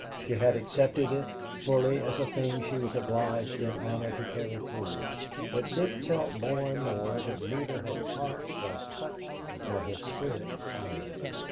She had accepted it fully as a thing she was obliged in honor to carry through, but Dick felt more and more that neither her heart was touched nor her spirit fired.